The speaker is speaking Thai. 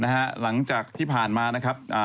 หลังจากที่ผ่านมานะครับ